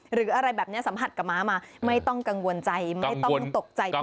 หรืออะไรแบบนี้สัมผัสกับม้ามาไม่ต้องกังวลใจไม่ต้องตกใจ